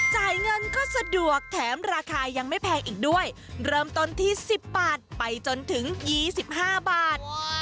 จ่ายเงินก็สะดวกแถมราคายังไม่แพงอีกด้วยเริ่มต้นที่๑๐บาทไปจนถึง๒๕บาท